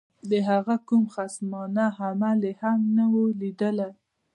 د هغه کوم خصمانه عمل یې هم نه وو لیدلی.